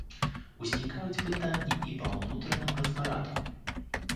Узнікаюць пытанні і па ўнутраным распарадку.